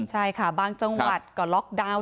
ใช่ค่ะบางจังหวัดก็ล็อกดาวน์